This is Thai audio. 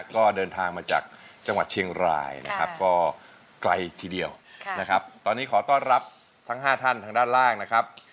ก็น้องขวัญและครอบครัว